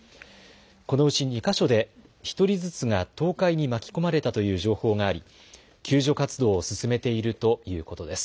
このうち２か所で１人ずつが倒壊に巻き込まれたという情報があり救助活動を進めているということです。